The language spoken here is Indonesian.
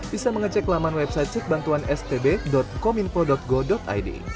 bisa mengecek laman website cekbantuanstb kominfo go id